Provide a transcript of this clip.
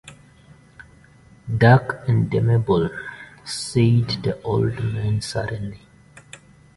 “Dark and damnable,” said the old man suddenly.